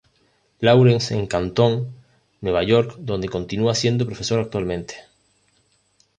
Lawrence en Canton, Nueva York, donde continúa siendo profesor actualmente.